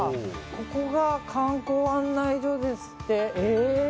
ここが観光案内所ですって。